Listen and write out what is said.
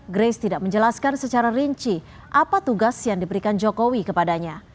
grace tidak menjelaskan secara rinci apa tugas yang diberikan jokowi kepadanya